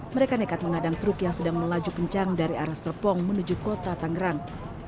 mereka nekat mengadang truk yang sedang melaju kencang dari arah serpong menuju kota tangerang